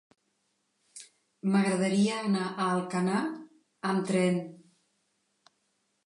M'agradaria anar a Alcanar amb tren.